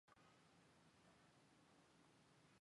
齿苞风毛菊为菊科风毛菊属的植物。